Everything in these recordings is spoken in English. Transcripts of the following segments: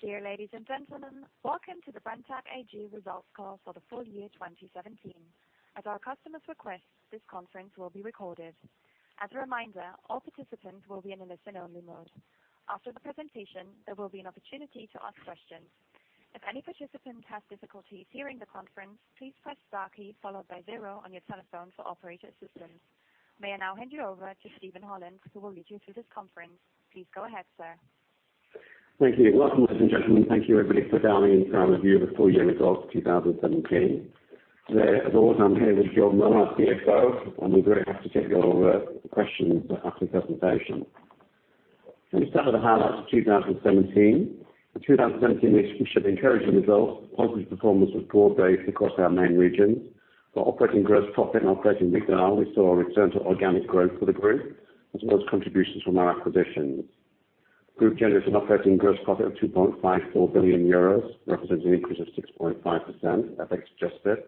Dear ladies and gentlemen, welcome to the Brenntag AG results call for the full year 2017. At our customers' request, this conference will be recorded. As a reminder, all participants will be in a listen-only mode. After the presentation, there will be an opportunity to ask questions. If any participant has difficulties hearing the conference, please press star key followed by zero on your telephone for operator assistance. May I now hand you over to Steven Holland, who will lead you through this conference. Please go ahead, sir. Thank you. Welcome, ladies and gentlemen. Thank you everybody for dialing in for our review of the full year results 2017. Today, as always, I'm here with John Murray, our CFO. We're very happy to take your questions after the presentation. Let me start with the highlights of 2017. In 2017, we showed encouraging results. Profit performance was broad-based across our main regions. For operating gross profit and operating EBITDA, we saw a return to organic growth for the group, as well as contributions from our acquisitions. Group generated an operating gross profit of 2.54 billion euros, represents an increase of 6.5% FX adjusted,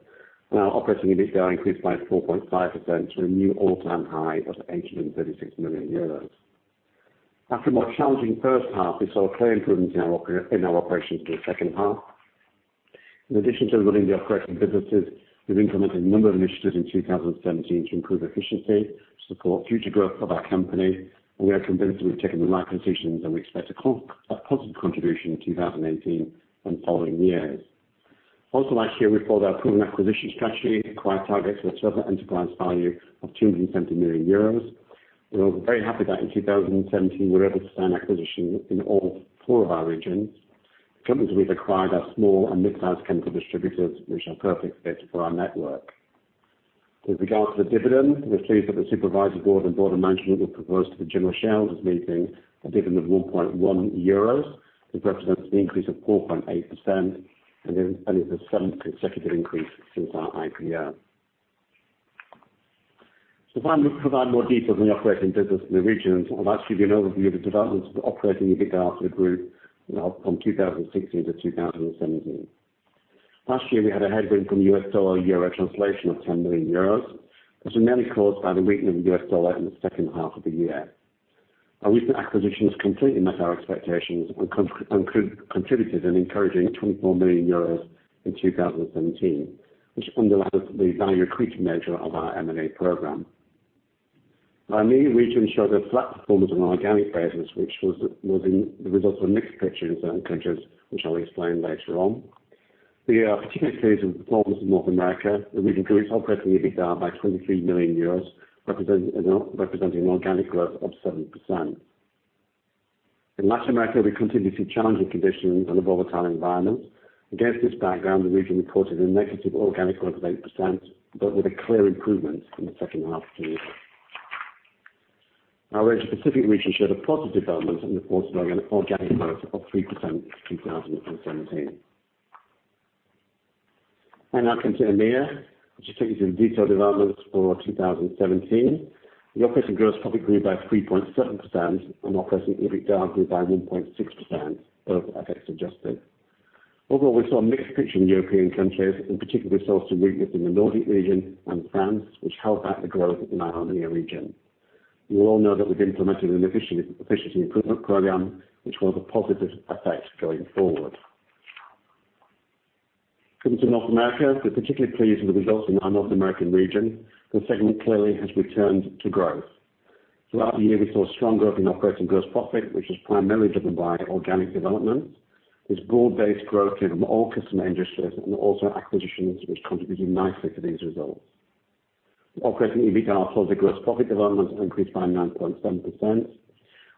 and our operating EBITDA increased by 4.5% to a new all-time high of 836 million euros. After a more challenging first half, we saw a clear improvement in our operations through the second half. In addition to running the operating businesses, we've implemented a number of initiatives in 2017 to improve efficiency to support future growth of our company. We are convinced that we've taken the right decisions and we expect a positive contribution in 2018 and following years. Also last year, we followed our proven acquisition strategy to acquire targets with a total enterprise value of 270 million euros. We are very happy that in 2017, we were able to plan acquisitions in all four of our regions. The companies we acquired are small and midsize chemical distributors, which are perfect fit for our network. With regards to the dividend, we are pleased that the supervisory board and board of management will propose to the general shareholders meeting a dividend of 1.1 euros. This represents an increase of 4.8%. It is the seventh consecutive increase since our IPO. Finally, to provide more details on the operating business in the regions, I'll actually give you an overview of the developments of the operating EBITDA for the group from 2016 to 2017. Last year, we had a headwind from US dollar-euro translation of 10 million euros, which was mainly caused by the weakening of the US dollar in the second half of the year. Our recent acquisitions completely met our expectations and contributed an encouraging 24 million euros in 2017, which underlines the value-accretive measure of our M&A program. Our EMEA region showed a flat performance on an organic basis, which was the result of a mixed picture in certain countries, which I'll explain later on. We are particularly pleased with the performance in North America. The region grew its operating EBITDA by 23 million euros, representing organic growth of 7%. In Latin America, we continue to see challenging conditions and a volatile environment. Against this background, the region reported a negative organic growth of 8%, but with a clear improvement from the second half of the year. Our Asia Pacific region showed a positive development and reported organic growth of 3% in 2017. I now come to EMEA, which I take you through the detailed developments for 2017. The operating gross profit grew by 3.7%, and operating EBITDA grew by 1.6%, both FX adjusted. Overall, we saw a mixed picture in European countries, in particular this was due to weakness in the Nordic region and France, which held back the growth in our EMEA region. You all know that we've implemented an efficiency improvement program, which will have a positive effect going forward. Coming to North America, we're particularly pleased with the results in our North American region. The segment clearly has returned to growth. Throughout the year, we saw strong growth in operating gross profit, which was primarily driven by organic development. There's broad-based growth in all customer industries and also acquisitions, which contributed nicely to these results. Operating EBITDA followed the gross profit development and increased by 9.7%.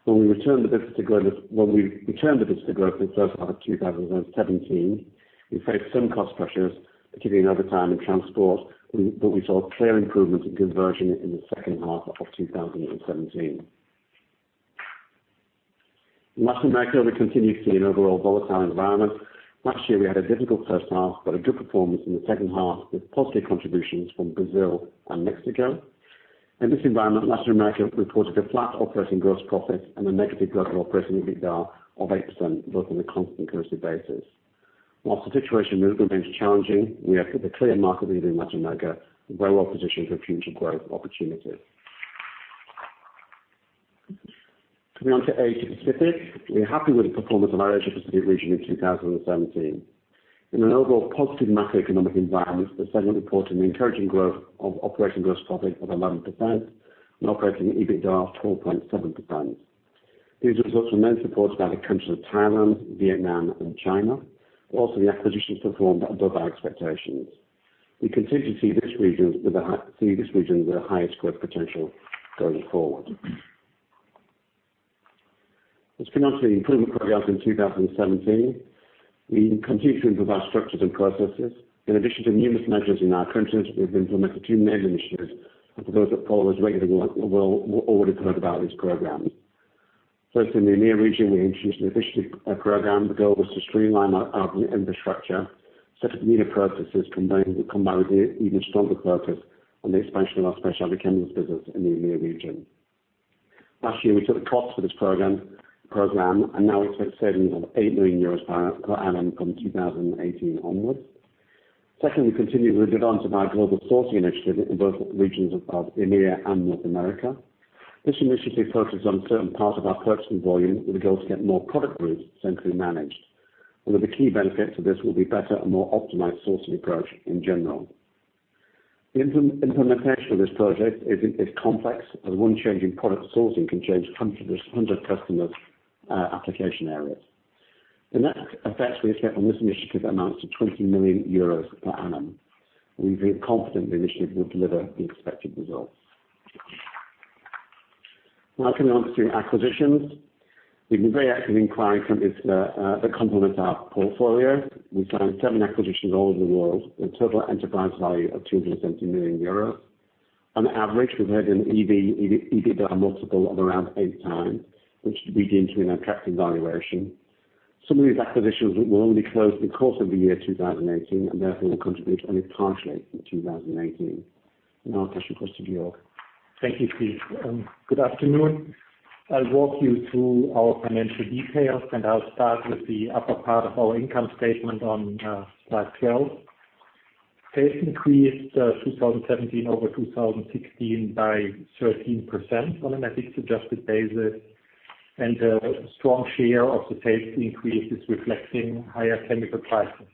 When we returned the business to growth in the first half of 2017, we faced some cost pressures, particularly in overtime and transport, but we saw a clear improvement in conversion in the second half of 2017. In Latin America, we continue to see an overall volatile environment. Last year, we had a difficult first half, but a good performance in the second half with positive contributions from Brazil and Mexico. In this environment, Latin America reported a flat operating gross profit and a negative growth in operating EBITDA of 8%, both on a constant currency basis. Whilst the situation remains challenging, we have a clear market lead in Latin America and we are well positioned for future growth opportunities. Coming on to Asia Pacific. We are happy with the performance of our Asia Pacific region in 2017. In an overall positive macroeconomic environment, the segment reported an encouraging growth of operating gross profit of 11% and operating EBITDA of 12.7%. These results were mainly supported by the countries of Thailand, Vietnam, and China, but also the acquisitions performed above our expectations. We continue to see this region with the highest growth potential going forward. Let's come on to the improvement programs in 2017. We continue to improve our structures and processes. In addition to numerous measures in our current strategy, we have implemented two main initiatives, and for those that follow us regularly will already have heard about these programs. First, in the EMEA region, we introduced an efficiency program. The goal was to streamline our infrastructure, set up new processes combined with even stronger focus on the expansion of our specialty chemicals business in the EMEA region. Last year, we took the costs for this program, and now we expect savings of 8 million euros per annum from 2018 onwards. Second, we continue with the development of our global sourcing initiative in both regions of EMEA and North America. This initiative focuses on certain parts of our purchasing volume with the goal to get more product groups centrally managed. One of the key benefits of this will be better and more optimized sourcing approach in general. The implementation of this project is complex, as one change in product sourcing can change hundreds of customers' application areas. The net effects we expect from this initiative amounts to 20 million euros per annum. We feel confident the initiative will deliver the expected results. Now coming on to acquisitions. We've been very active in acquiring companies that complement our portfolio. We signed seven acquisitions all over the world with a total enterprise value of 270 million euros. On average, we've had an EBITDA multiple of around eight times, which we deem to be an attractive valuation. Some of these acquisitions will only close in the course of the year 2018, and therefore will contribute only partially in 2018. Now I pass you across to Georg. Thank you, Steve. Good afternoon. I'll walk you through our financial details. I'll start with the upper part of our income statement on slide 12. Sales increased 2017 over 2016 by 13% on an FX adjusted basis. A strong share of the sales increase is reflecting higher chemical prices.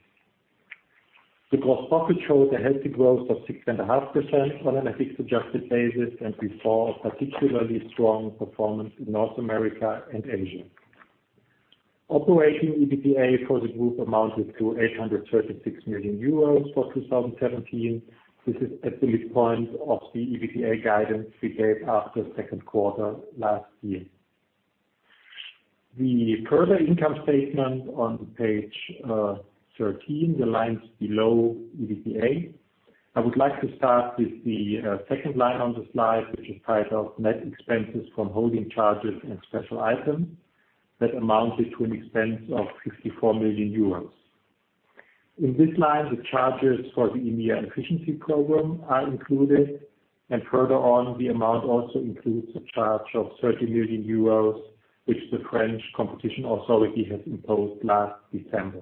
The gross profit showed a healthy growth of 6.5% on an FX adjusted basis. We saw a particularly strong performance in North America and Asia. Operating EBITDA for the group amounted to 836 million euros for 2017. This is at the midpoint of the EBITDA guidance we gave after the second quarter last year. The further income statement on page 13, the lines below EBITDA. I would like to start with the second line on the slide, which is titled Net Expenses from Holding Charges and Special Items that amounted to an expense of 64 million euros. In this line, the charges for the EMEA efficiency program are included. Further on, the amount also includes a charge of 30 million euros, which the French Competition Authority has imposed last December.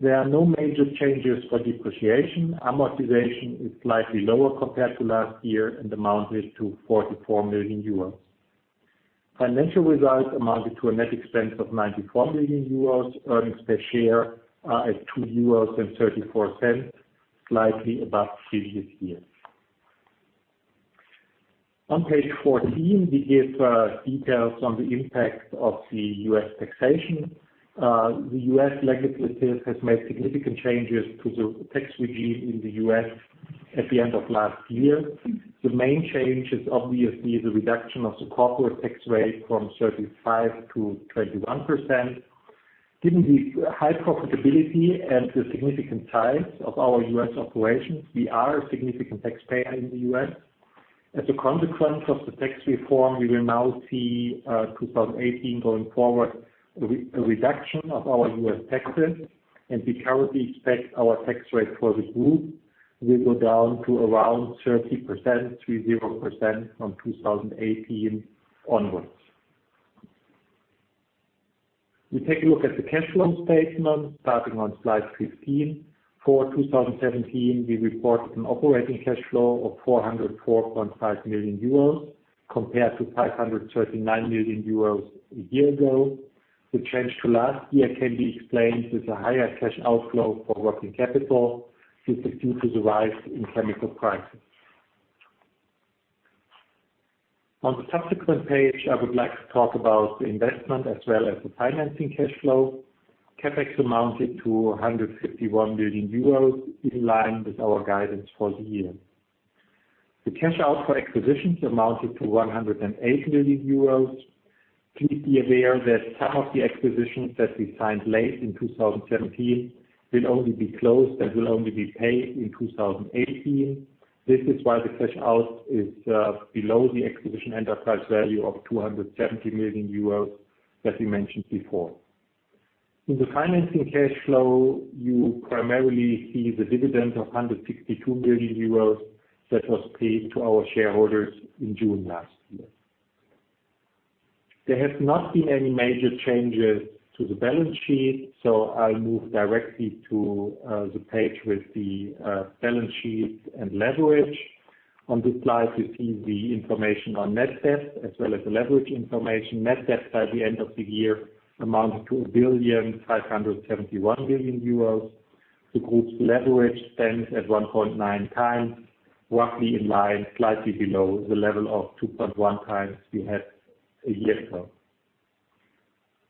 There are no major changes for depreciation. Amortization is slightly lower compared to last year and amounted to 44 million euros. Financial results amounted to a net expense of 94 million euros. Earnings per share are at 2.34 euros, slightly above the previous year. On page 14, we give details on the impact of the U.S. taxation. The U.S. legislative has made significant changes to the tax regime in the U.S. at the end of last year. The main change is obviously the reduction of the corporate tax rate from 35% to 21%. Given the high profitability and the significant size of our U.S. operations, we are a significant taxpayer in the U.S. As a consequence of the tax reform, we will now see 2018 going forward, a reduction of our U.S. taxes. We currently expect our tax rate for the group will go down to around 30%, three zero %, from 2018 onwards. We take a look at the cash flow statement starting on slide 15. For 2017, we reported an operating cash flow of 404.5 million euros compared to 539 million euros a year ago. The change to last year can be explained with a higher cash outflow for working capital due to the rise in chemical prices. On the subsequent page, I would like to talk about the investment as well as the financing cash flow. CapEx amounted to 151 million euros, in line with our guidance for the year. The cash out for acquisitions amounted to 108 million euros. Please be aware that some of the acquisitions that we signed late in 2017 will only be closed and will only be paid in 2018. This is why the cash out is below the acquisition enterprise value of 270 million euros that we mentioned before. In the financing cash flow, you primarily see the dividend of 162 million euros that was paid to our shareholders in June last year. There has not been any major changes to the balance sheet. I move directly to the page with the balance sheet and leverage. On this slide, we see the information on net debt as well as the leverage information. Net debt by the end of the year amounted to 1.571 billion. The group's leverage stands at 1.9 times, roughly in line, slightly below the level of 2.1 times we had a year ago.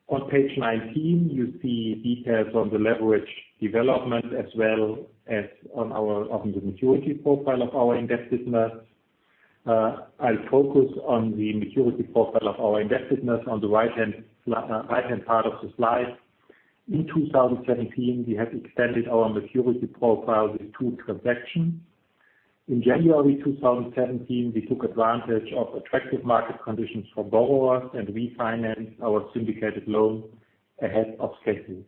On page 19, you see details on the leverage development as well as on the maturity profile of our indebtedness. I will focus on the maturity profile of our indebtedness on the right-hand part of the slide. In 2017, we have extended our maturity profile with two transactions. In January 2017, we took advantage of attractive market conditions for borrowers and refinanced our syndicated loan ahead of schedule.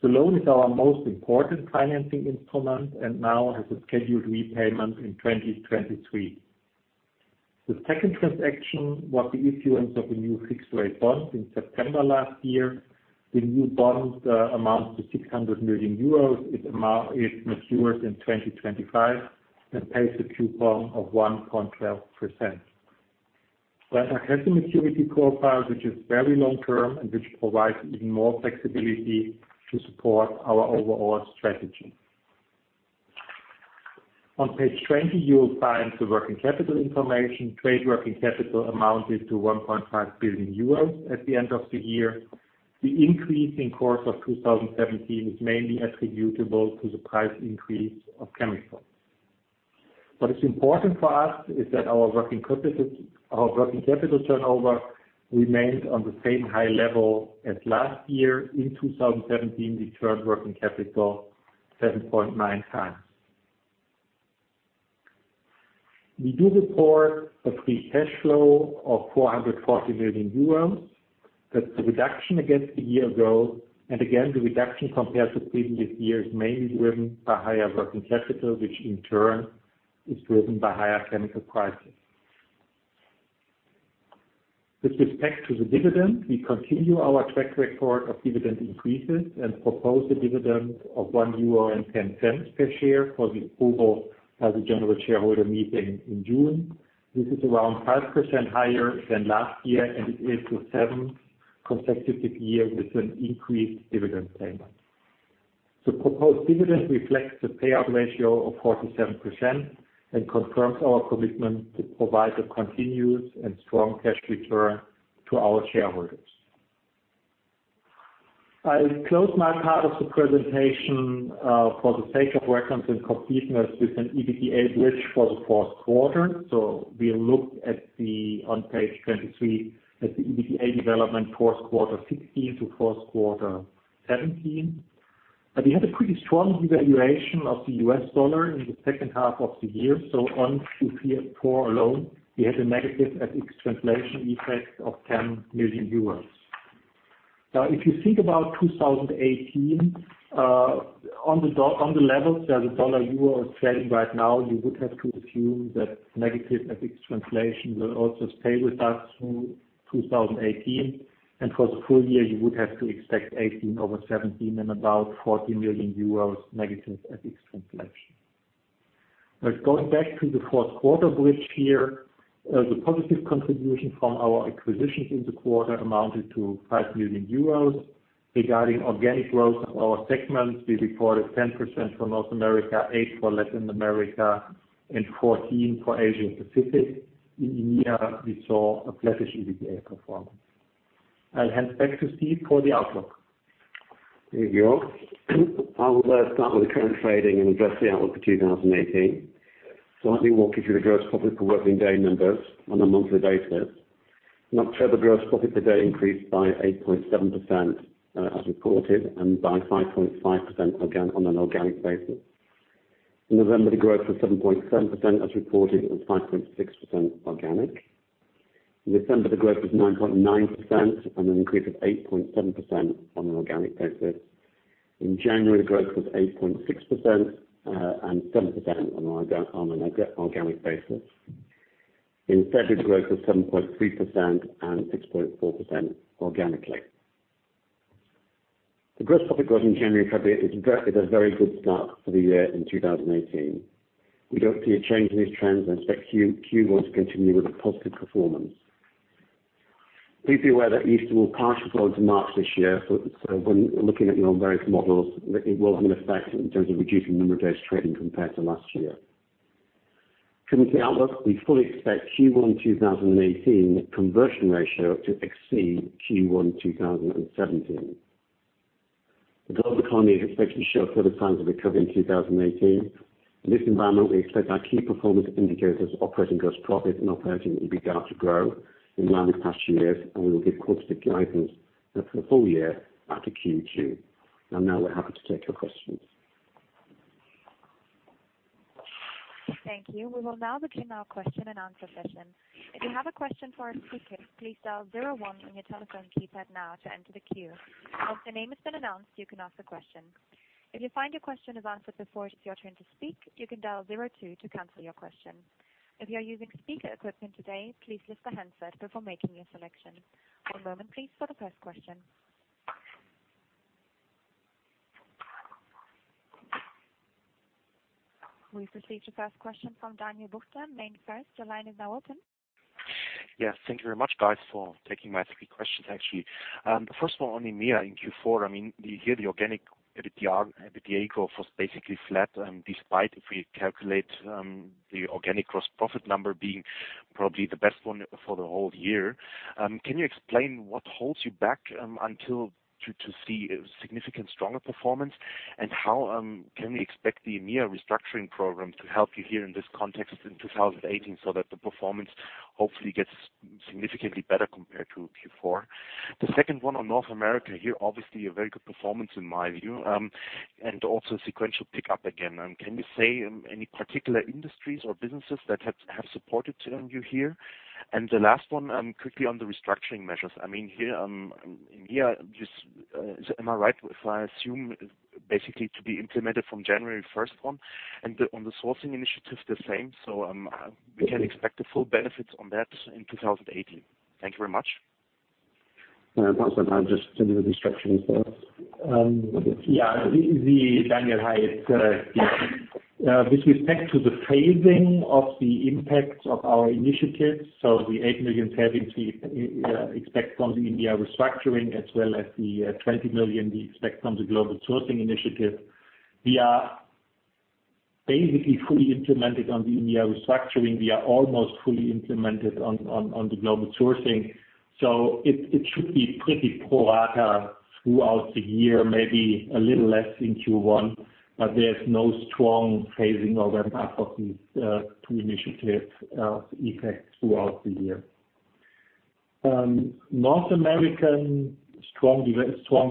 The loan is our most important financing instrument and now has a scheduled repayment in 2023. The second transaction was the issuance of a new fixed rate bond in September last year. The new bond amounts to 600 million euros. It matures in 2025 and pays a coupon of 1.12%. Brenntag has a maturity profile which is very long-term and which provides even more flexibility to support our overall strategy. On page 20, you will find the working capital information. Trade working capital amounted to 1.5 billion euros at the end of the year. The increase in course of 2017 is mainly attributable to the price increase of chemicals. What is important for us is that our working capital turnover remained on the same high level as last year. In 2017, we turned working capital 7.9 times. We do report a free cash flow of 440 million euros. That is a reduction against a year ago. Again, the reduction compared to previous years, mainly driven by higher working capital, which in turn is driven by higher chemical prices. With respect to the dividend, we continue our track record of dividend increases and propose a dividend of 1.10 euro per share for the approval at the general shareholder meeting in June. This is around 5% higher than last year, and it is the seventh consecutive year with an increased dividend payment. The proposed dividend reflects the payout ratio of 47% and confirms our commitment to provide a continuous and strong cash return to our shareholders. I will close my part of the presentation, for the sake of reference and completeness, with an EBITDA bridge for the fourth quarter. We looked on page 23 at the EBITDA development, fourth quarter 2016 to fourth quarter 2017. We had a pretty strong revaluation of the US dollar in the second half of the year. On Q4 alone, we had a negative FX translation effect of 10 million. If you think about 2018, on the levels that the dollar/euro is trading right now, you would have to assume that negative FX translation will also stay with us through 2018. For the full year, you would have to expect 2018 over 2017 and about 14 million euros negative FX translation. Going back to the fourth quarter bridge here, the positive contribution from our acquisitions in the quarter amounted to 5 million euros. Regarding organic growth of our segments, we reported 10% for North America, 8% for Latin America and 14% for Asia-Pacific. In EMEA, we saw a flattish EBITDA performance. I'll hand back to Steve for the outlook. Thank you. I will start with the current trading and address the outlook for 2018. Let me walk you through the gross profit per working day numbers on a monthly basis. In October, gross profit per day increased by 8.7%, as reported, and by 5.5% on an organic basis. In November, the growth was 7.7%, as reported, and 5.6% organic. In December, the growth was 9.9% and an increase of 8.7% on an organic basis. In January, the growth was 8.6% and 7% on an organic basis. In February, the growth was 7.3% and 6.4% organically. The gross profit growth in January and February is a very good start for the year in 2018. We don't see a change in these trends and expect Q1 to continue with a positive performance. Please be aware that Easter will partially fall into March this year, when looking at your various models, it will have an effect in terms of reducing the number of days trading compared to last year. Coming to the outlook, we fully expect Q1 2018 conversion ratio to exceed Q1 2017. The global economy is expected to show further signs of recovery in 2018. In this environment, we expect our key performance indicators, operating gross profit and operating EBITDA to grow in line with past years, and we will give quarterly guidance for the full year back in Q2. Now we're happy to take your questions. Thank you. We will now begin our question and answer session. If you have a question for our speakers, please dial zero one on your telephone keypad now to enter the queue. Once your name has been announced, you can ask a question. If you find your question is answered before it is your turn to speak, you can dial zero two to cancel your question. If you are using speaker equipment today, please lift the handset before making your selection. One moment please for the first question. We've received the first question from Daniel Buchner, Bank First. Your line is now open. Yes, thank you very much, guys, for taking my three questions, actually. First of all, on EMEA in Q4, I mean, you hear the organic EBITDA growth was basically flat, despite if we calculate the organic gross profit number being probably the best one for the whole year. Can you explain what holds you back to see a significant stronger performance? How can we expect the EMEA restructuring program to help you here in this context in 2018 so that the performance hopefully gets significantly better compared to Q4? The second one on North America, here, obviously a very good performance in my view, also sequential pickup again. Can you say any particular industries or businesses that have supported you here? The last one, quickly on the restructuring measures. In here, am I right if I assume basically to be implemented from January 1st on the Sourcing Initiative the same? We can expect the full benefits on that in 2018. Thank you very much. Also, I'll just deal with the restructuring first. Daniel, hi. With respect to the phasing of the impact of our initiatives, the 8 million we expect from the EMEA restructuring as well as the 20 million we expect from the Global Sourcing Initiative. We are basically fully implemented on the EMEA restructuring. We are almost fully implemented on the Global Sourcing. It should be pretty pro rata throughout the year, maybe a little less in Q1, but there's no strong phasing on our part of these two initiatives effects throughout the year. North American, strong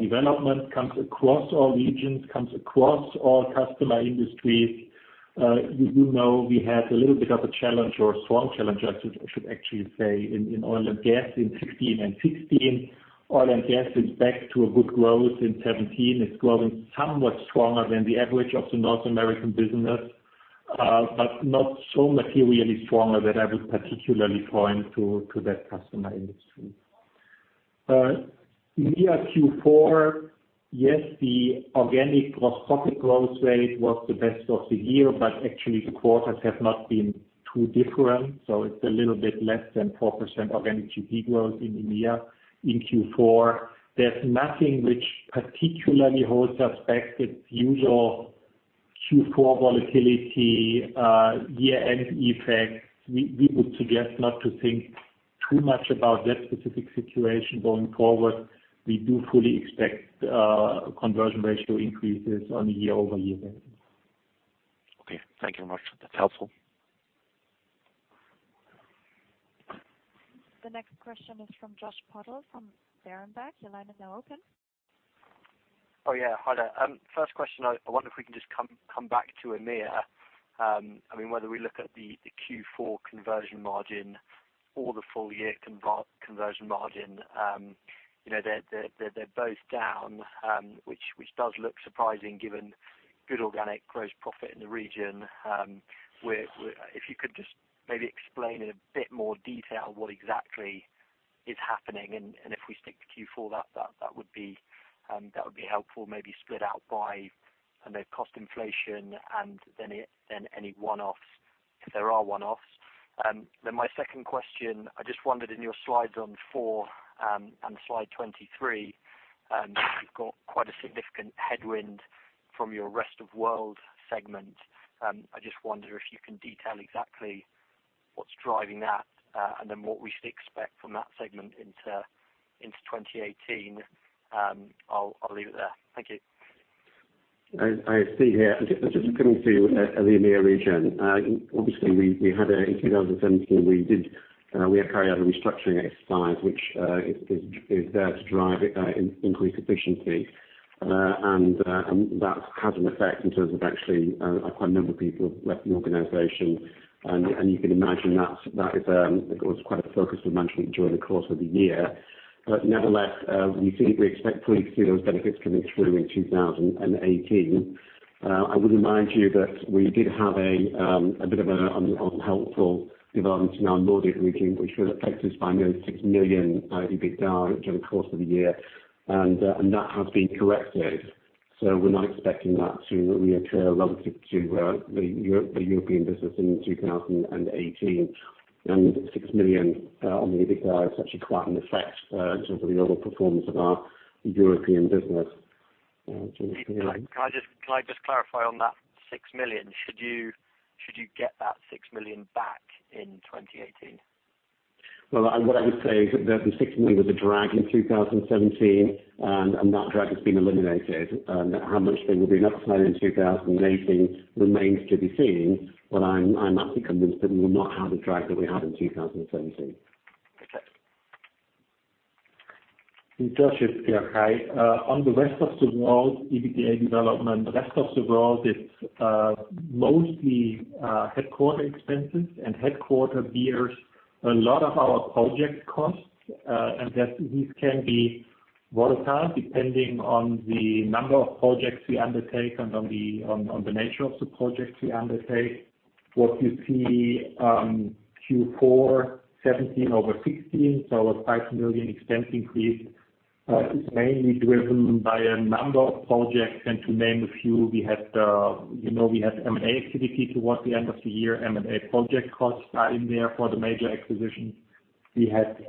development comes across all regions, comes across all customer industries. You know we had a little bit of a challenge or a strong challenge, I should actually say, in oil and gas in 2016 and 2017. Oil and gas is back to a good growth in 2017. It's growing somewhat stronger than the average of the North American business, but not so materially stronger that I would particularly point to that customer industry. EMEA Q4, yes, the organic gross profit growth rate was the best of the year, but actually the quarters have not been too different, so it's a little bit less than 4% organic GP growth in EMEA in Q4. There's nothing which particularly holds us back. It's usual Q4 volatility, year-end effects. We would suggest not to think too much about that specific situation going forward. We do fully expect conversion ratio increases on a year-over-year basis. Okay. Thank you very much. That's helpful. The next question is from Josh Puddle from Berenberg. Your line is now open. Oh, yeah. Hi there. First question, I wonder if we can just come back to EMEA. Whether we look at the Q4 conversion margin or the full-year conversion margin, they're both down, which does look surprising given good organic gross profit in the region. If you could just maybe explain in a bit more detail what exactly is happening, and if we stick to Q4, that would be helpful. Maybe split out by, I know, cost inflation and then any one-offs, if there are one-offs. My second question, I just wondered in your slide four and slide 23, you've got quite a significant headwind from your rest of world segment. I just wonder if you can detail exactly what's driving that, and then what we should expect from that segment into 2018. I'll leave it there. Thank you. I see here, just coming to the EMEA region. Obviously in 2017 we did carry out a restructuring exercise, which is there to drive increased efficiency. That had an effect in terms of actually quite a number of people left the organization. You can imagine that was quite a focus of management during the course of the year. Nevertheless, we expect fully to see those benefits coming through in 2018. I would remind you that we did have a bit of an unhelpful development in our Nordic region, which affected us by nearly 6 million EBITDA during the course of the year. That has been corrected. We're not expecting that to reoccur relative to the European business in 2018. 6 million on the EBITDA is actually quite an effect in terms of the overall performance of our European business. Can I just clarify on that 6 million. Should you get that 6 million back in 2018? Well, what I would say is that the 6 million was a drag in 2017, and that drag has been eliminated. How much there will be left behind in 2018 remains to be seen, but I'm utterly convinced that we will not have the drag that we had in 2017. Okay. Josh, it's Pierre. Hi. On the rest of the world, EBITDA development, rest of the world, it's mostly headquarter expenses and headquarter bears a lot of our project costs, and these can be volatile depending on the number of projects we undertake and on the nature of the projects we undertake. What you see Q4 2017 over 2016, so a 5 million expense increase is mainly driven by a number of projects, and to name a few, we had M&A activity towards the end of the year. M&A project costs are in there for the major acquisitions. We had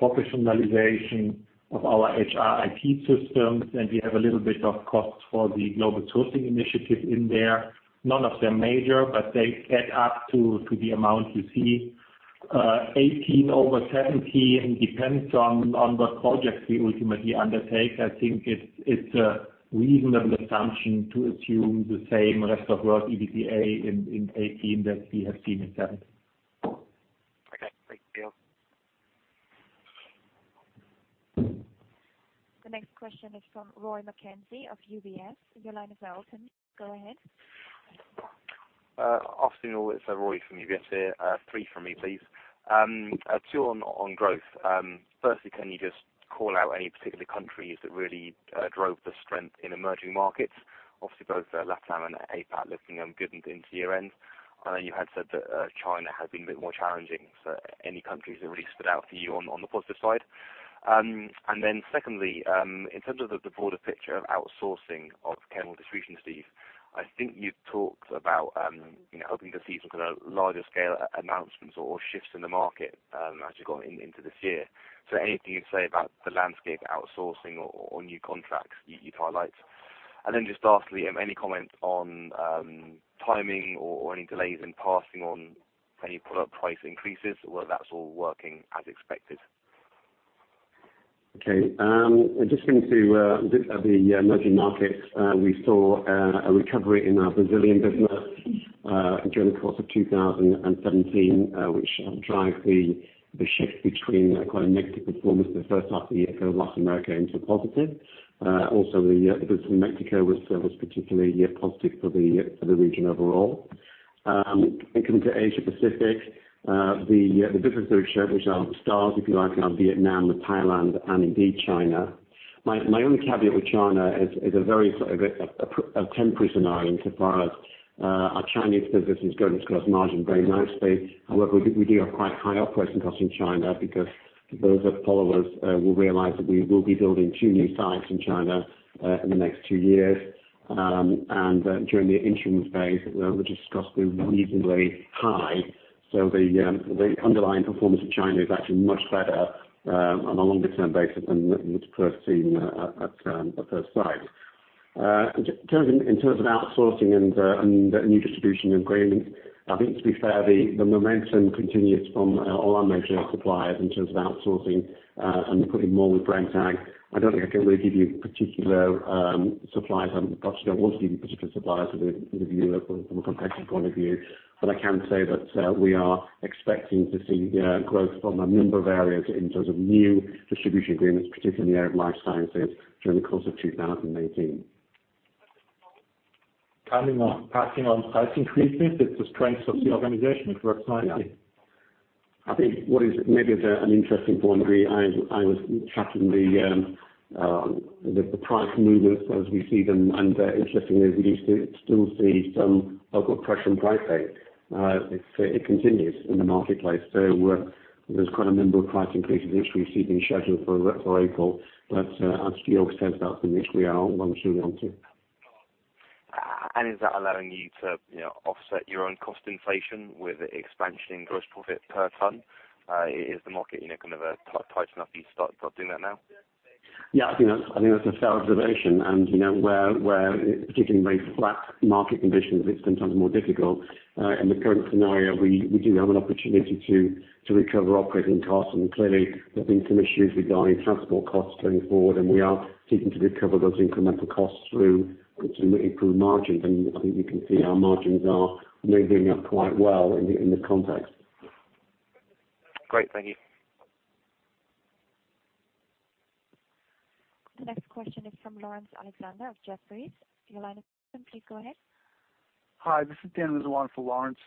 professionalization of our HR IT systems, and we have a little bit of costs for the global sourcing initiative in there. None of them major, but they add up to the amount you see. 2018 over 2017 depends on what projects we ultimately undertake. I think it's a reasonable assumption to assume the same rest of world EBITDA in 2018 that we have seen in 2017. Okay. Thank you. The next question is from Rory McKenzie of UBS. Your line is now open. Go ahead. Afternoon. It's Rory from UBS here. Three from me, please. Two on growth. Firstly, can you just call out any particular countries that really drove the strength in emerging markets? Obviously, both LatAm and APAC looking good into year-end. I know you had said that China had been a bit more challenging. Any countries that really stood out for you on the positive side? Secondly, in terms of the broader picture of outsourcing of chemical distribution, Steve, I think you've talked about hoping to see some kind of larger scale announcements or shifts in the market as you got into this year. Anything you'd say about the landscape outsourcing or new contracts you'd highlight? Lastly, any comment on timing or any delays in passing on any product price increases or whether that's all working as expected? Just going to the emerging markets, we saw a recovery in our Brazilian business during the course of 2017, which drives the shift between quite a negative performance in the first half of the year for Latin America into positive. The business in Mexico was particularly positive for the region overall. Coming to Asia Pacific, the businesses which are the stars, if you like, are Vietnam and Thailand and indeed China. My only caveat with China is a very sort of temporary scenario in so far as our Chinese business is going to gross margin very nicely. We do have quite high operating costs in China because those that follow us will realize that we will be building 2 new sites in China in the next 2 years. During the interim phase, the distribution costs were reasonably high. The underlying performance of China is actually much better on a longer term basis than would first seem at first sight. In terms of outsourcing and new distribution agreements, I think to be fair, the momentum continues from all our major suppliers in terms of outsourcing, including more with Brenntag. I don't think I can really give you particular suppliers. I perhaps don't want to give you particular suppliers from a competitive point of view. I can say that we are expecting to see growth from a number of areas in terms of new distribution agreements, particularly in the area of life sciences during the course of 2018. Passing on price increases is the strength of the organization. It works nicely. I think what is maybe an interesting point, I was charting the price movers as we see them, interestingly, we do still see some upward pressure on price increase. It continues in the marketplace. There's quite a number of price increases which we've seen scheduled for April. As Georg said, that's initially what we want to. Is that allowing you to offset your own cost inflation with expansion in gross profit per ton? Is the market kind of tight enough you start doing that now? Yeah, I think that's a fair observation. Where, particularly in very flat market conditions, it's sometimes more difficult. In the current scenario, we do have an opportunity to recover operating costs. Clearly, there's been some issues regarding transport costs going forward, and we are seeking to recover those incremental costs through improved margins. I think you can see our margins are moving up quite well in this context. Great. Thank you. The next question is from Laurence Alexander of Jefferies. Your line is open. Please go ahead. Hi, this is Dan Lazzaro for Laurence.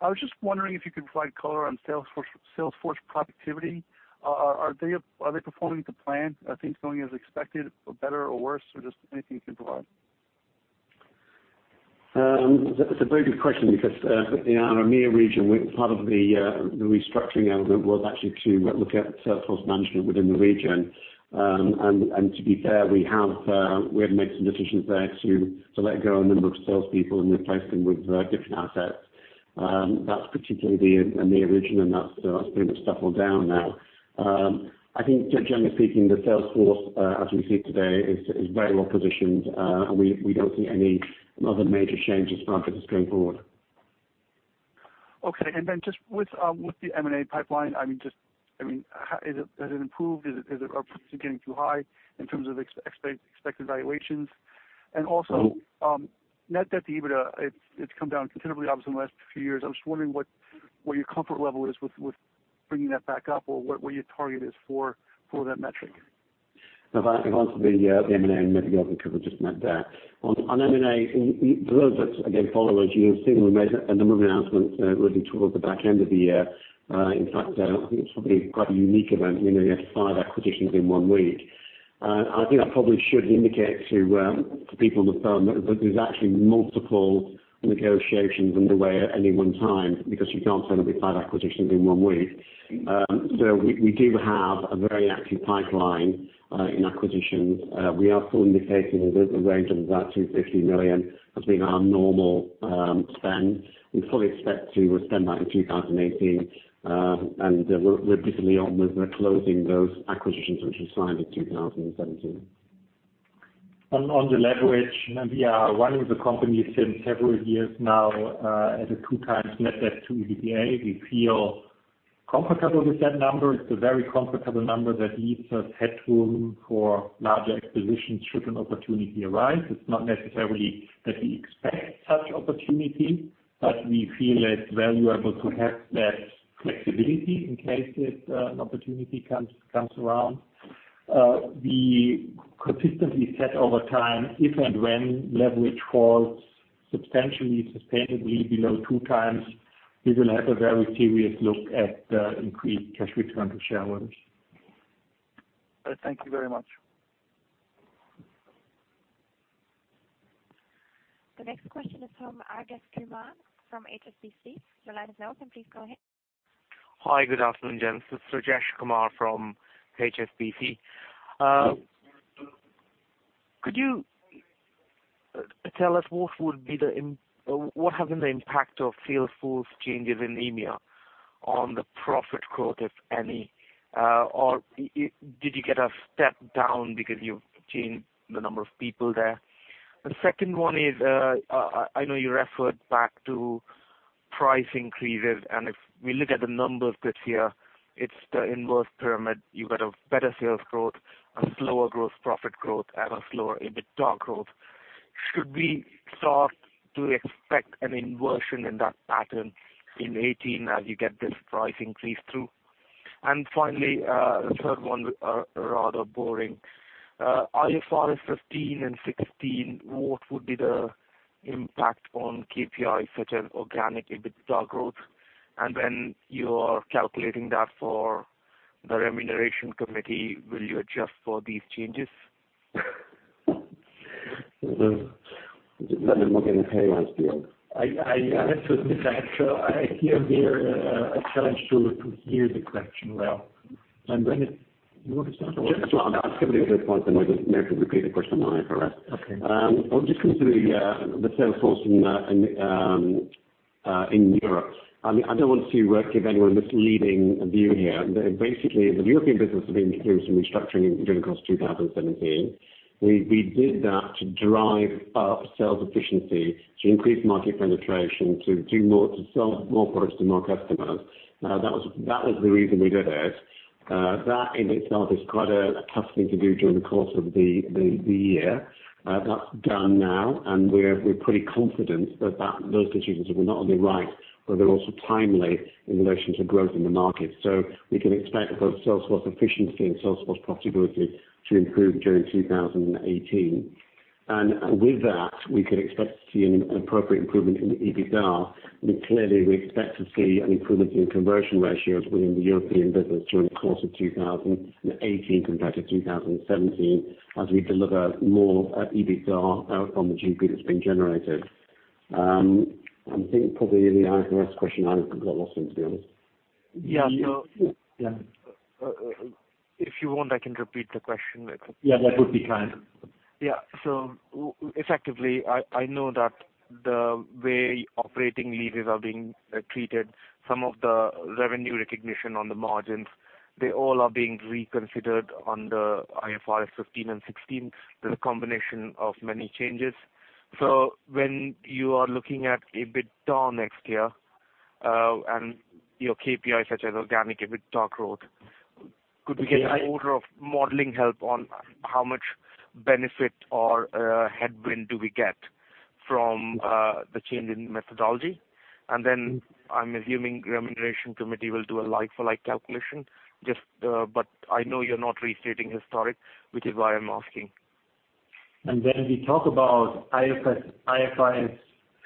I was just wondering if you could provide color on sales force productivity. Are they performing to plan? Are things going as expected or better or worse, or just anything you can provide? That's a very good question because in our EMEA region, part of the restructuring element was actually to look at sales force management within the region. To be fair, we have made some decisions there to let go a number of salespeople and replace them with different assets. That's particularly the EMEA region, and that's pretty much settled down now. I think generally speaking, the sales force, as we see it today, is very well positioned. We don't see any other major changes for our business going forward. Okay. Just with the M&A pipeline, has it improved? Is it getting too high in terms of expected valuations? Also net debt to EBITDA, it's come down considerably, obviously in the last few years. I was just wondering what your comfort level is with bringing that back up or what your target is for that metric. In answer the M&A, maybe I'll let Georg because we just met there. On M&A, for those that again follow us, you have seen we made a number of announcements really towards the back end of the year. In fact, I think it's probably quite a unique event, 5 acquisitions in one week. I think that probably should indicate to people on the firm that there's actually multiple negotiations underway at any one time because you can't celebrate 5 acquisitions in one week. We do have a very active pipeline in acquisitions. We are still indicating a range of about 250 million as being our normal spend. We fully expect to spend that in 2018, and we're busily on with closing those acquisitions, which we signed in 2017. On the leverage, we are running the company since several years now at a 2x net debt to EBITDA. We feel comfortable with that number. It's a very comfortable number that leaves us headroom for larger acquisitions should an opportunity arise. It's not necessarily that we expect such opportunity, but we feel it's valuable to have that Flexibility in case an opportunity comes around. We consistently said over time, if and when leverage falls substantially, sustainably below 2x, we will have a very serious look at increased cash return to shareholders. Thank you very much. The next question is from Rajesh Kumar from HSBC. Your line is now open. Please go ahead. Hi. Good afternoon, gents. It's Rajesh Kumar from HSBC. Could you tell us what has been the impact of sales force changes in EMEA on the profit growth, if any? Did you get a step down because you've changed the number of people there? The second one is, I know you referred back to price increases, and if we look at the numbers this year, it's the inverse pyramid. You've got a better sales growth and slower growth profit growth and a slower EBITDA growth. Should we start to expect an inversion in that pattern in 2018 as you get this price increase through? Finally, the third one, rather boring. IFRS 15 and 16, what would be the impact on KPIs such as organic EBITDA growth? When you are calculating that for the remuneration committee, will you adjust for these changes? Let me look at the pay last year. I have to admit, I appear to have challenged you to hear the question well. Brendan, you want to start or shall I? Sure. I'll just cover the first point, then maybe repeat the question on IFRS. Okay. I'll just come to the sales force in Europe. I don't want to give anyone a misleading view here. Basically, the European business has been through some restructuring during the course of 2017. We did that to drive up sales efficiency, to increase market penetration, to sell more products to more customers. That was the reason we did it. That in itself is quite a tough thing to do during the course of the year. That's done now, we're pretty confident that those decisions were not only right, but they're also timely in relation to growth in the market. We can expect both sales force efficiency and sales force profitability to improve during 2018. With that, we can expect to see an appropriate improvement in the EBITDA. Clearly, we expect to see an improvement in conversion ratios within the European business during the course of 2018 compared to 2017 as we deliver more EBITDA from the GP that's been generated. I think probably the IFRS question I got lost in, to be honest. Yeah. Yeah. If you want, I can repeat the question. Yeah, that would be kind. Yeah. Effectively, I know that the way operating leases are being treated, some of the revenue recognition on the margins, they all are being reconsidered under IFRS 15 and 16. There's a combination of many changes. When you are looking at EBITDA next year, and your KPIs such as organic EBITDA growth, could we get an order of modeling help on how much benefit or headwind do we get from the change in methodology? I'm assuming remuneration committee will do a like for like calculation. I know you're not restating historic, which is why I'm asking. When we talk about IFRS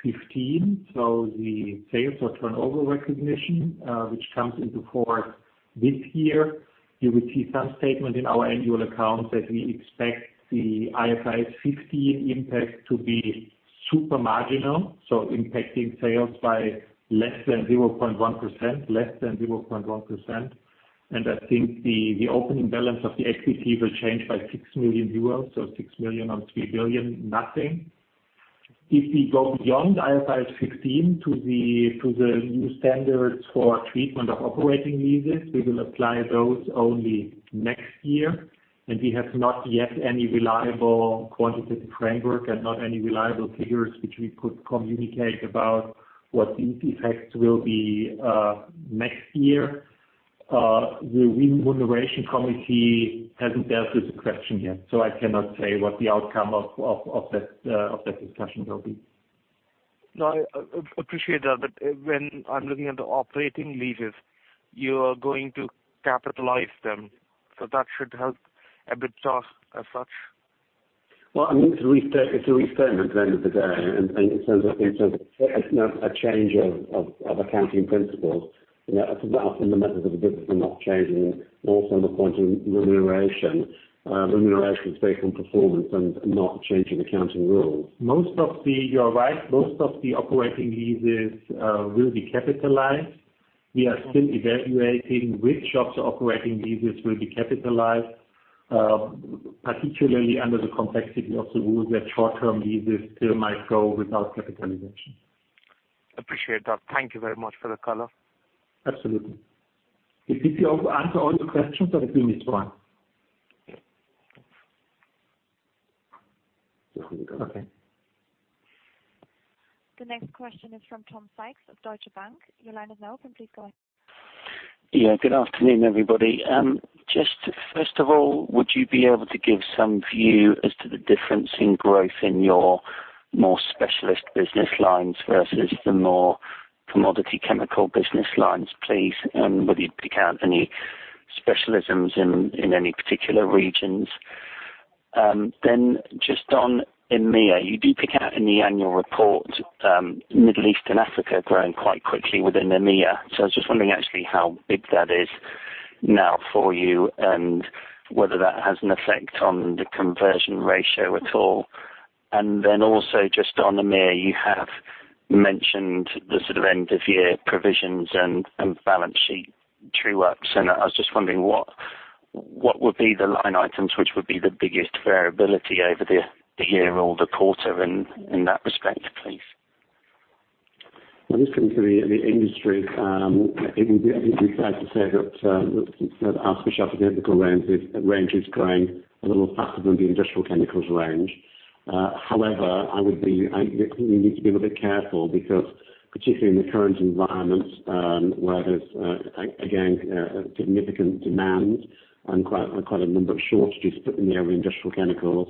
15, the sales or turnover recognition, which comes into force this year, you will see some statement in our annual accounts that we expect the IFRS 15 impact to be super marginal. Impacting sales by less than 0.1%. I think the opening balance of the equity will change by 6 million euros, 6 million on 3 billion, nothing. If we go beyond IFRS 16 to the new standards for treatment of operating leases, we will apply those only next year, we have not yet any reliable quantitative framework and not any reliable figures which we could communicate about what the effects will be next year. The remuneration committee hasn't dealt with the question yet, I cannot say what the outcome of that discussion will be. No, I appreciate that. When I'm looking at the operating leases, you are going to capitalize them, that should help EBITDA as such. Well, it's a restatement at the end of the day. In terms of a change of accounting principles, from the method of the business, we're not changing. Also on the point of remuneration. Remuneration is based on performance and not changing accounting rules. You are right. Most of the operating leases will be capitalized. We are still evaluating which of the operating leases will be capitalized, particularly under the complexity of the rules where short-term leases still might go without capitalization. Appreciate that. Thank you very much for the color. Absolutely. Did we answer all your questions or have we missed one? I think we got them. Okay. The next question is from Tom Sykes of Deutsche Bank. Your line is now open. Please go ahead. Yeah. Good afternoon, everybody. Just first of all, would you be able to give some view as to the difference in growth in your more specialist business lines versus the more commodity chemical business lines, please? Would you pick out any specialisms in any particular regions? Just on EMEA, you do pick out in the annual report, Middle East and Africa growing quite quickly within EMEA. I was just wondering actually how big that is now for you and whether that has an effect on the conversion ratio at all. Also just on EMEA, you have mentioned the sort of end-of-year provisions and balance sheet true-ups. I was just wondering what would be the line items which would be the biggest variability over the year or the quarter in that respect, please? Well, just coming to the industry, I think it would be fair to say that our specialty chemical range is growing a little faster than the industrial chemicals range. However, I think we need to be a little bit careful because, particularly in the current environment, where there's again, a significant demand and quite a number of shortages, particularly in the area of industrial chemicals,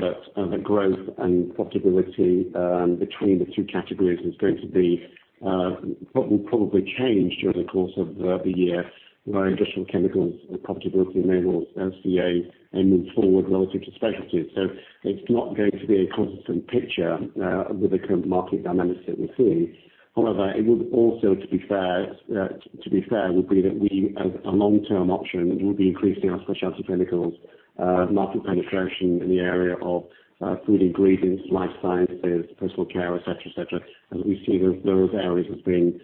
that the growth and profitability between the two categories What will probably change during the course of the year where industrial chemicals profitability may well (LCA) and move forward relative to specialties. It's not going to be a consistent picture with the current market dynamics that we're seeing. However, it would also, to be fair, would be that we, as a long-term option, will be increasing our specialty chemicals market penetration in the area of food ingredients, life sciences, personal care, et cetera. As we see those areas as being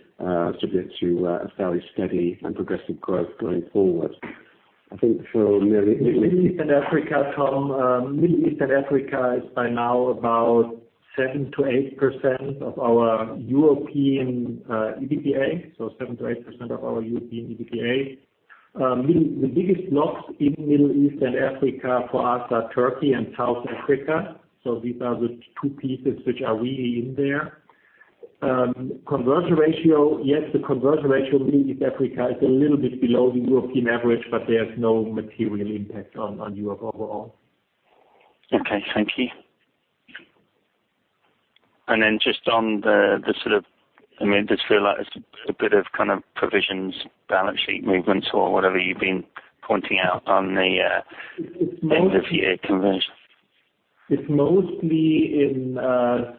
subject to a fairly steady and progressive growth going forward. Middle East and Africa, Tom. Middle East and Africa is by now about 7%-8% of our European EBITDA. 7%-8% of our European EBITDA. The biggest blocks in Middle East and Africa for us are Turkey and South Africa. These are the two pieces which are really in there. Conversion ratio, yes, the conversion ratio in Middle East, Africa, is a little bit below the European average, but there's no material impact on Europe overall. Okay. Thank you. Just on the sort of, I mean, I just feel like it's a bit of kind of provisions, balance sheet movements or whatever you've been pointing out on the end-of-year conversion. It's mostly in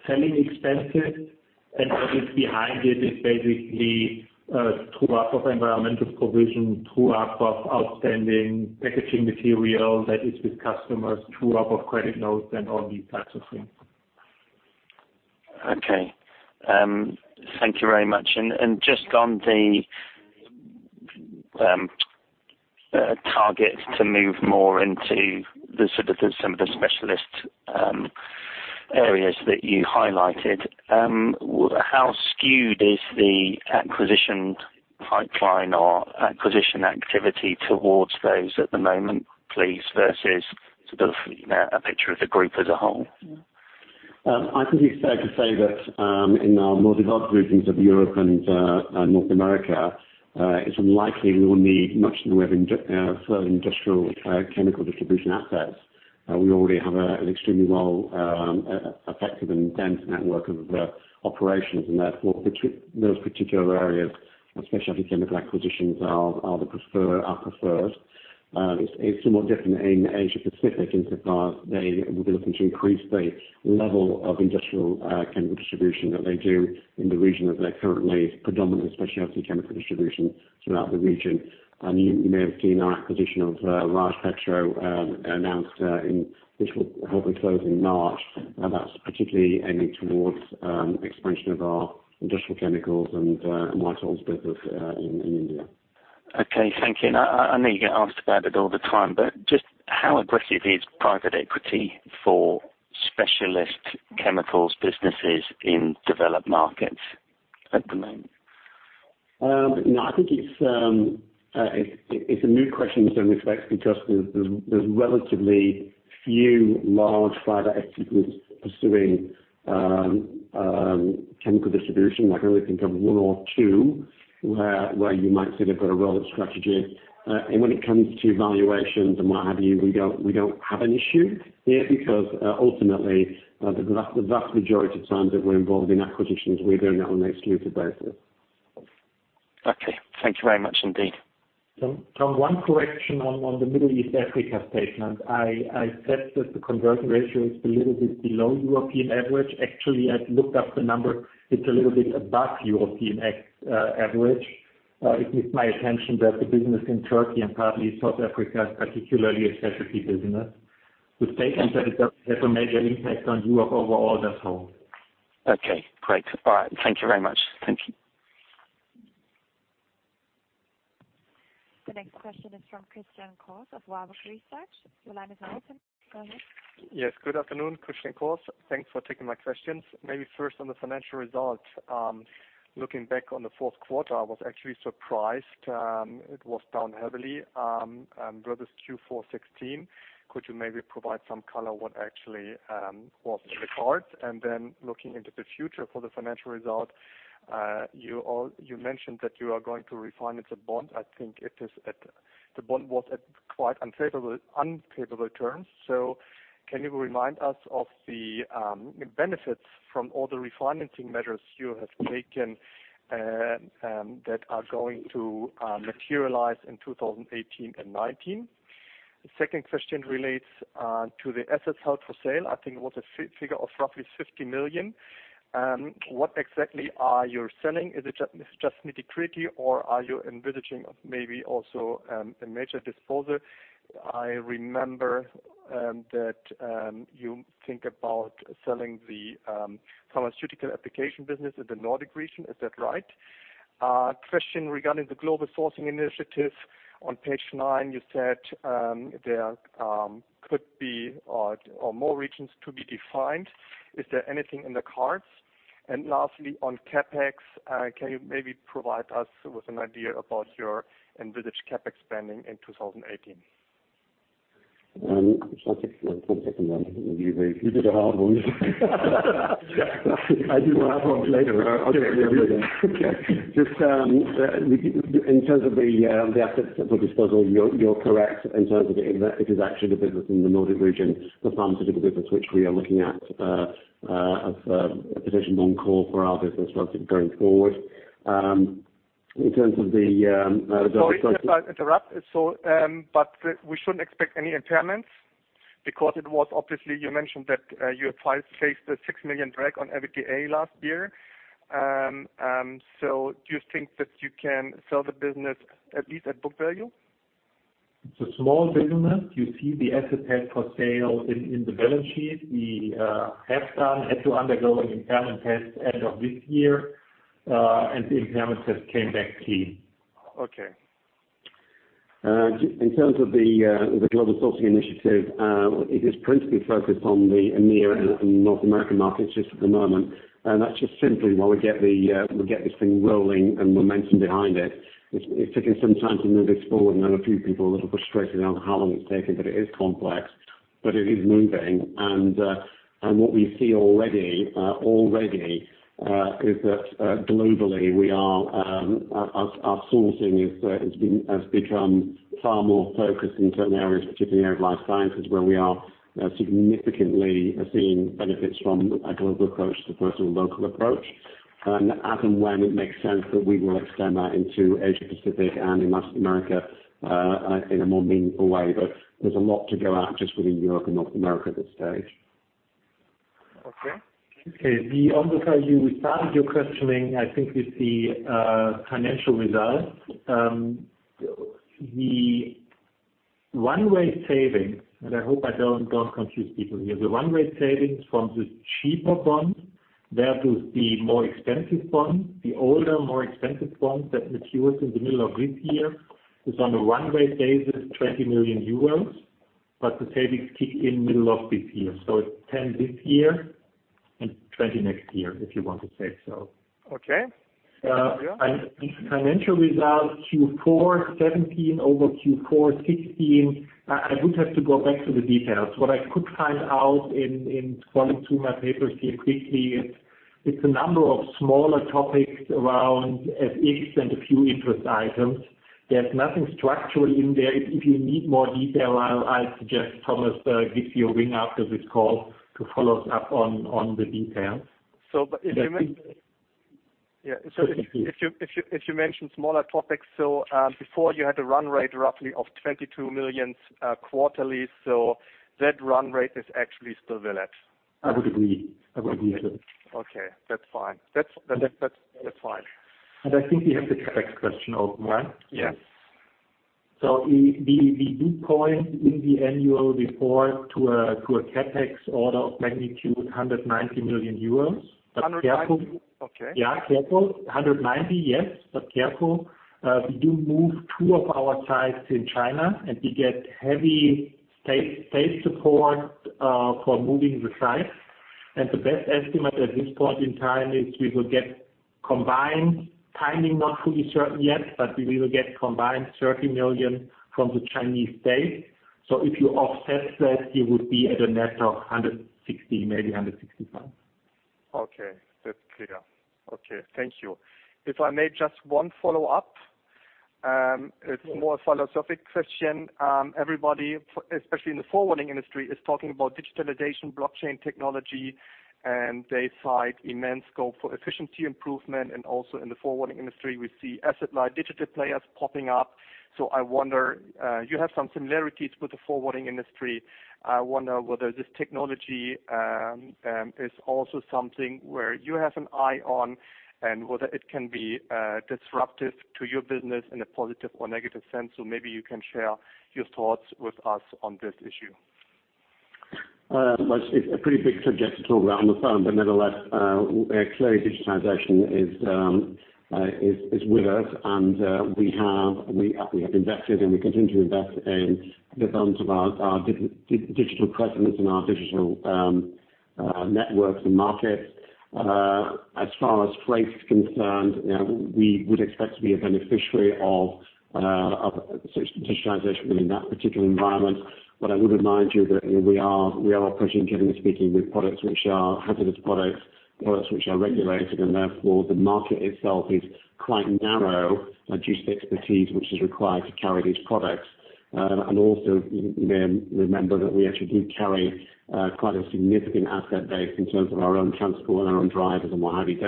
selling expenses and what is behind it is basically a true-up of environmental provision, true-up of outstanding packaging material that is with customers, true-up of credit notes and all these types of things. Okay. Thank you very much. Just on the targets to move more into the sort of some of the specialist areas that you highlighted, how skewed is the acquisition pipeline or acquisition activity towards those at the moment, please, versus sort of a picture of the group as a whole? I think it's fair to say that in our more developed regions of Europe and North America, it's unlikely we will need much in the way of industrial chemical distribution assets. We already have an extremely well effective and dense network of operations and therefore those particular areas, specialty chemical acquisitions are preferred. It's somewhat different in Asia Pacific insofar as they will be looking to increase the level of industrial chemical distribution that they do in the region as they're currently predominant in specialty chemical distribution throughout the region. You may have seen our acquisition of Raj Petro announced, which will hopefully close in March. That's particularly aimed towards expansion of our industrial chemicals and oils business in India. Okay, thank you. I know you get asked about it all the time, but just how aggressive is private equity for specialist chemicals businesses in developed markets at the moment? No, I think it's a moot question in some respects because there's relatively few large private equity groups pursuing chemical distribution. I can only think of one or two where you might say they've got a relevant strategy. When it comes to valuations and what have you, we don't have an issue here because ultimately the vast majority of times that we're involved in acquisitions, we're doing it on an exclusive basis. Okay. Thank you very much indeed. Tom, one correction on the Middle East, Africa statement. I said that the conversion ratio is a little bit below European average. Actually, I've looked up the number. It's a little bit above European average. It needs my attention that the business in Turkey and partly South Africa is particularly a specialty business. The statement that it doesn't have a major impact on Europe overall does hold. Okay, great. All right. Thank you very much. Thank you. The next question is from Christian Koch of Warburg Research. Your line is open. Go ahead. Yes, good afternoon. Christian Koch. Thanks for taking my questions. First on the financial results. Looking back on the fourth quarter, I was actually surprised it was down heavily versus Q4 2016. Could you provide some color what actually was in the cards? Looking into the future for the financial result, you mentioned that you are going to refinance a bond. I think the bond was at quite unfavorable terms. Can you remind us of the benefits from all the refinancing measures you have taken that are going to materialize in 2018 and 2019? The second question relates to the assets held for sale. I think it was a figure of roughly 50 million. What exactly are you selling? Is it just nitty-gritty, or are you envisaging also a major disposal? I remember that you think about selling the pharmaceutical application business in the Nordic region. Is that right? A question regarding the global sourcing initiative. On page nine, you said there could be more regions to be defined. Is there anything in the cards? Lastly, on CapEx, can you maybe provide us with an idea about your envisaged CapEx spending in 2018? Shall I take that one? You did a hard one. I do hard ones later. Okay. Just in terms of the assets for disposal, you're correct. In terms of it is actually the business in the Nordic region, the pharmaceutical business, which we are looking at as a position non-core for our business going forward. Sorry to interrupt. We shouldn't expect any impairments because it was obviously, you mentioned that you faced a 6 million drag on EBITDA last year. Do you think that you can sell the business at least at book value? It's a small business. You see the asset held for sale in the balance sheet. We have had to undergo an impairment test end of this year. The impairment test came back clean. Okay. In terms of the global sourcing initiative, it is principally focused on the EMEA and North American markets just at the moment. That's just simply while we get this thing rolling and momentum behind it. It's taking some time to move this forward. I know a few people are a little frustrated on how long it's taking, but it is complex, but it is moving. What we see already is that globally our sourcing has become far more focused in certain areas, particularly in area of life sciences, where we are significantly seeing benefits from a global approach as opposed to a local approach. As and when it makes sense that we will extend that into Asia Pacific and Latin America in a more meaningful way. There's a lot to go at just within Europe and North America at this stage. Okay. Okay. On the time you started your questioning, I think with the financial results. The run-rate savings, and I hope I don't confuse people here. The run-rate savings from the cheaper bond, versus the more expensive bond, the older, more expensive bond that matures in the middle of this year, is on a run-rate basis, 20 million euros, but the savings kick in middle of this year. It's 10 this year and 20 next year, if you want to say so. Okay. Financial results Q4 2017 over Q4 2016, I would have to go back to the details. What I could find out in scrolling through my papers here quickly, it's a number of smaller topics around FX and a few interest items. There's nothing structural in there. If you need more detail, I suggest Thomas gives you a ring after this call to follow up on the details. If you mention smaller topics, before you had a run rate roughly of 22 million quarterly. That run rate is actually still valid? I would agree. I would agree with it. Okay, that's fine. I think we have the CapEx question open, right? Yes. We do point in the annual report to a CapEx order of magnitude, 190 million euros. 190? Okay. Yeah. Careful. 190, yes. Careful. We do move two of our sites in China, and we get heavy state support for moving the sites. The best estimate at this point in time is we will get combined, timing not fully certain yet, but we will get combined 30 million from the Chinese state. If you offset that, it would be at a net of 160, maybe 165. Okay. That's clear. Okay, thank you. If I may, just one follow-up. It's more a philosophic question. Everybody, especially in the forwarding industry, is talking about digitalization, blockchain technology, and they cite immense scope for efficiency improvement. Also in the forwarding industry, we see asset-light digital players popping up. I wonder, you have some similarities with the forwarding industry. I wonder whether this technology is also something where you have an eye on, and whether it can be disruptive to your business in a positive or negative sense. Maybe you can share your thoughts with us on this issue. Well, it's a pretty big subject to talk about on the phone. Nevertheless, clearly, digitization is with us, and we have invested, and we continue to invest in the development of our digital presence and our digital networks and markets. As far as freight is concerned, we would expect to be a beneficiary of digitization within that particular environment. What I would remind you that we are operating, generally speaking, with products which are hazardous products which are regulated, and therefore the market itself is quite narrow due to the expertise which is required to carry these products. Also, remember that we actually do carry quite a significant asset base in terms of our own transport and our own drivers and what have you.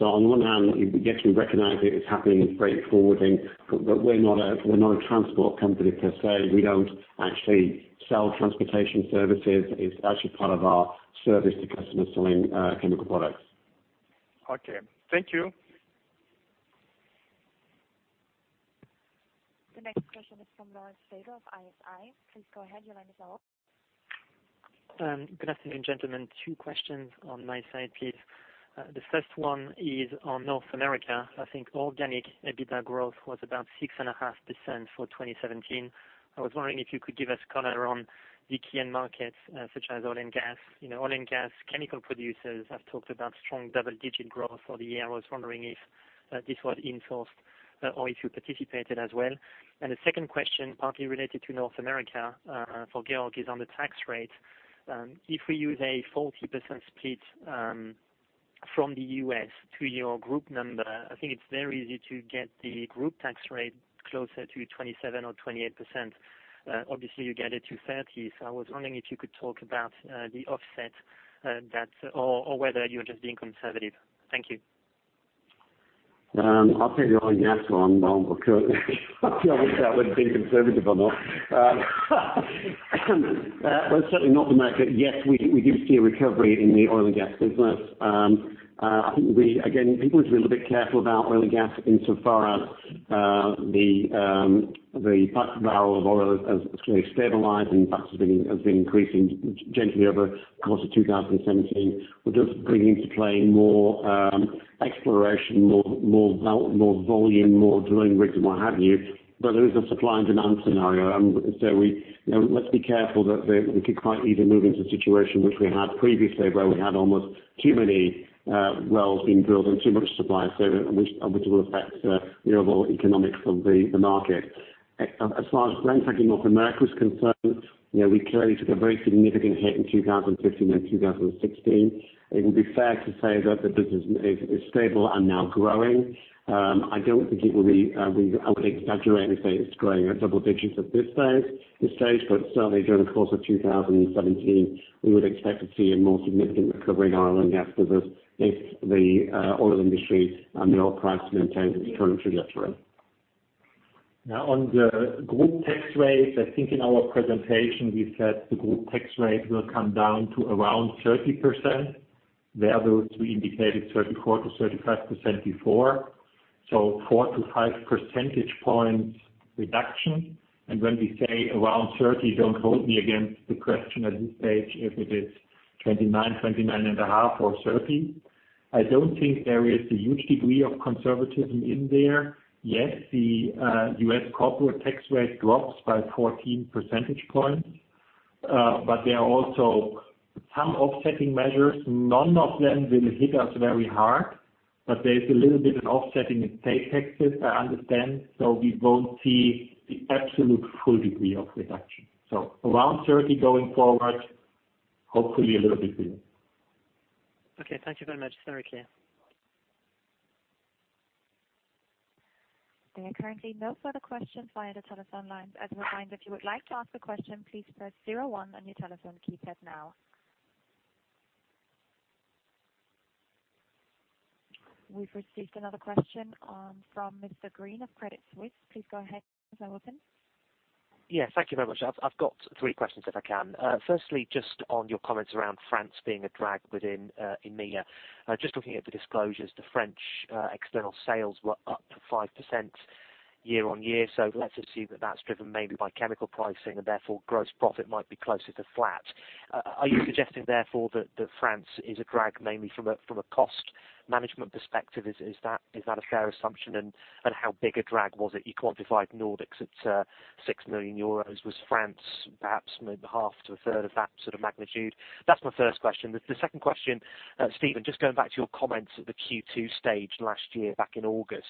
On one hand, yes, we recognize it is happening, it's very forwarding, but we're not a transport company per se. We don't actually sell transportation services. It's actually part of our service to customers selling chemical products. Okay. Thank you. The next question is from Lawrence Fader of ISI. Please go ahead, your line is open. Good afternoon, gentlemen. Two questions on my side, please. The first one is on North America. I think organic EBITDA growth was about 6.5% for 2017. I was wondering if you could give us color on the key end markets such as oil and gas. Oil and gas chemical producers have talked about strong double-digit growth for the year. I was wondering if this was in force or if you participated as well. The second question, partly related to North America, for Georg, is on the tax rate. If we use a 40% split from the U.S. to your group number, I think it's very easy to get the group tax rate closer to 27% or 28%. Obviously, you get it to 30%. I was wondering if you could talk about the offset, or whether you're just being conservative. Thank you. I'll take the oil and gas one. I'm sure wish I would have been conservative on that. Well, certainly not the market. Yes, we do see a recovery in the oil and gas business. Again, people need to be a little bit careful about oil and gas insofar as the price barrel of oil has stabilized and price has been increasing gently over the course of 2017. We're just bringing into play more exploration, more volume, more drilling rigs and what have you. There is a supply and demand scenario. Let's be careful that we could quite easily move into a situation which we had previously where we had almost too many wells being drilled and too much supply, which will affect the overall economics of the market. As far as Brenntag in North America is concerned, we clearly took a very significant hit in 2015 and 2016. It would be fair to say that the business is stable and now growing. I would exaggerate and say it's growing at double digits at this stage, certainly during the course of 2017, we would expect to see a more significant recovery in oil and gas business if the oil industry and the oil price maintains its current trajectory. On the group tax rate, I think in our presentation we said the group tax rate will come down to around 30%, where those we indicated 34%-35% before. Four to five percentage points reduction. When we say around 30, don't hold me against the question at this stage if it is 29.5 or 30. I don't think there is a huge degree of conservatism in there. The U.S. corporate tax rate drops by 14 percentage points, there are also some offsetting measures. None of them will hit us very hard, there's a little bit of offsetting in state taxes, I understand, we won't see the absolute full degree of reduction. Around 30 going forward, hopefully a little bit below. Okay. Thank you very much. Very clear. There are currently no further questions via the telephone lines. As a reminder, if you would like to ask a question, please press zero one on your telephone keypad now. We've received another question from Mr. Green of Credit Suisse. Please go ahead. You're now open. Yeah. Thank you very much. I've got three questions if I can. Firstly, just on your comments around France being a drag within EMEA. Just looking at the disclosures, the French external sales were up 5% year-on-year, let's assume that that's driven mainly by chemical pricing and therefore gross profit might be closer to flat. Are you suggesting therefore that France is a drag mainly from a cost management perspective? Is that a fair assumption? How big a drag was it? You quantified Nordics at 6 million euros. Was France perhaps maybe half to a third of that sort of magnitude? That's my first question. The second question, Steven, just going back to your comments at the Q2 stage last year back in August,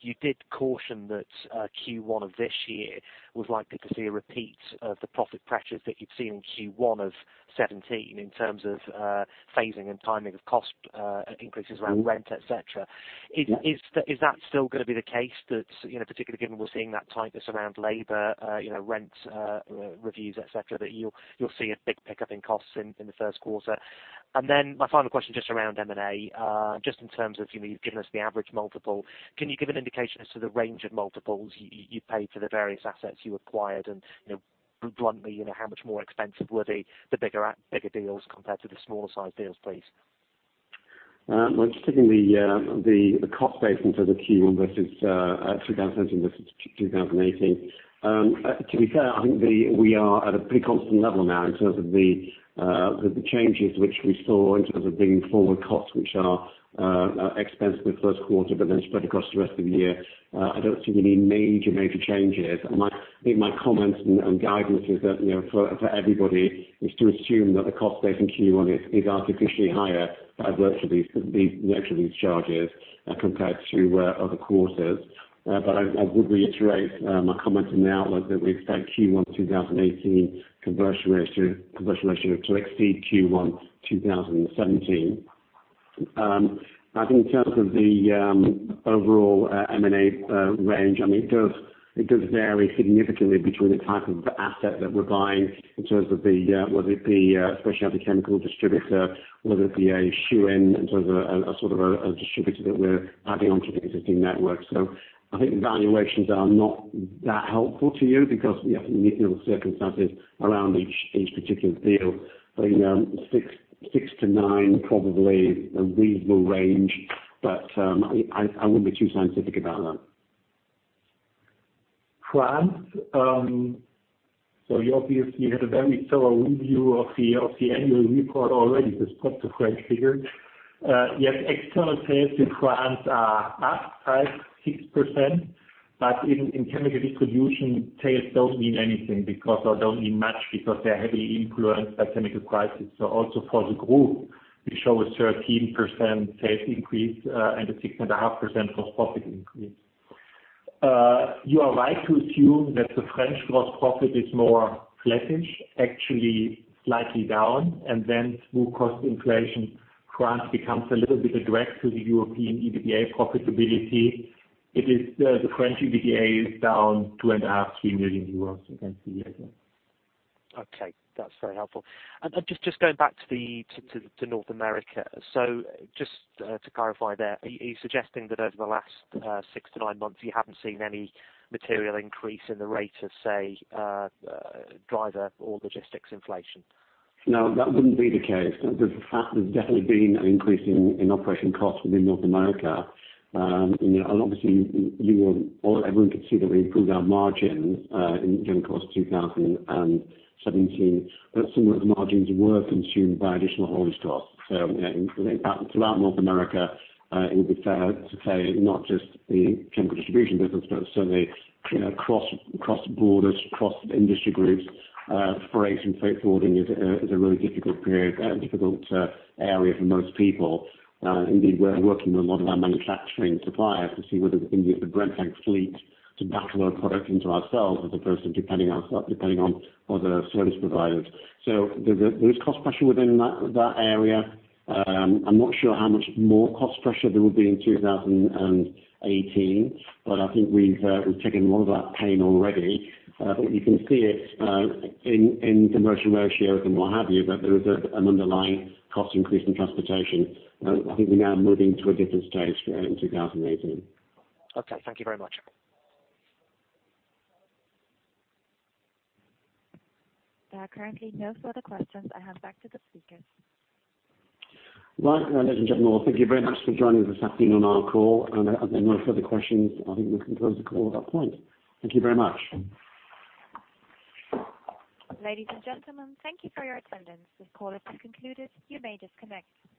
you did caution that Q1 of this year was likely to see a repeat of the profit pressures that you'd seen in Q1 of 2017 in terms of phasing and timing of cost increases around rent, et cetera. Is that still going to be the case, particularly given we're seeing that tightness around labor, rent reviews, et cetera, that you'll see a big pickup in costs in the first quarter? My final question, just around M&A, just in terms of you've given us the average multiple, can you give an indication as to the range of multiples you paid for the various assets you acquired and, bluntly, how much more expensive were they, the bigger deals compared to the smaller sized deals, please? Just taking the cost base into the Q1 versus 2017 versus 2018. To be fair, I think we are at a pretty constant level now in terms of the changes which we saw in terms of bringing forward costs which are expense in the first quarter, but then spread across the rest of the year. I don't see any major changes. I think my comments and guidance is that for everybody is to assume that the cost base in Q1 is artificially higher as a result of these charges compared to other quarters. I would reiterate my comment in the outlook that we expect Q1 2018 conversion ratio to exceed Q1 2017. I think in terms of the overall M&A range, it does vary significantly between the type of asset that we're buying in terms of whether it be a specialty chemical distributor, whether it be a SHU in terms of a sort of a distributor that we're adding onto the existing network. I think valuations are not that helpful to you because you have unique circumstances around each particular deal. 6 to 9, probably a reasonable range, but I wouldn't be too scientific about that. France. You obviously had a very thorough review of the annual report already, this particular figure. External sales in France are up 6%, in chemical distribution, sales don't mean anything because they don't mean much, because they are heavily influenced by chemical prices. Also for the group, we show a 13% sales increase and a 6.5% gross profit increase. You are right to assume that the French gross profit is more flattish, actually slightly down, and then through cost inflation, France becomes a little bit of drag to the European EBITDA profitability. The French EBITDA is down two and a half million euros, EUR 3 million, you can see here. Okay, that's very helpful. Just going back to North America. Just to clarify there, are you suggesting that over the last 6-9 months you haven't seen any material increase in the rate of, say, driver or logistics inflation? No, that wouldn't be the case. There's definitely been an increase in operation costs within North America, obviously everyone could see that we improved our margins in general cost 2017, some of the margins were consumed by additional overhead costs. Throughout North America, it would be fair to say not just the chemical distribution business, but certainly across borders, across industry groups, freight and forward is a really difficult area for most people. Indeed, we're working with a lot of our manufacturing suppliers to see whether we can get the Brenntag fleet to batch load product into ourselves as opposed to depending on other service providers. There is cost pressure within that area. I'm not sure how much more cost pressure there will be in 2018, I think we've taken a lot of that pain already. I think you can see it in conversion ratios and what have you, there is an underlying cost increase in transportation. I think we're now moving to a different stage in 2018. Okay. Thank you very much. There are currently no further questions. I hand back to the speakers. Right. Ladies and gentlemen, thank you very much for joining this afternoon on our call. If there are no further questions, I think we can close the call at that point. Thank you very much. Ladies and gentlemen, thank you for your attendance. This call has concluded. You may disconnect.